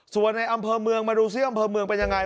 ส่วนในอำเภอเมืองมาดูซิอำเภอเมืองเป็นยังไง